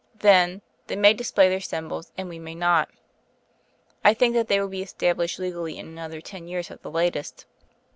Then, they may display their symbols and we may not: I think that they will be established legally in another ten years at the latest.